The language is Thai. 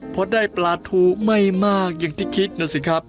พอได้ปลาทูไม่มากอย่างที่คิดนะสิครับ